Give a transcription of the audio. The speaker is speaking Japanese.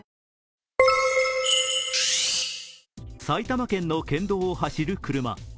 埼玉県の県道を走る車。